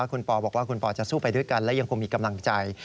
คุณปอบอกว่าคุณปอจะสู้ไปด้วยกันและยังคงมีกำลังใจ